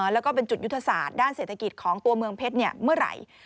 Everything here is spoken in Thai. แล้วก็เป็นจุดยุทธศาสตร์ด้านเศรษฐกิจของตัวเมืองเพชรเมื่อไหร่